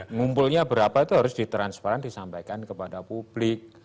ngumpulnya berapa itu harus ditransparan disampaikan kepada publik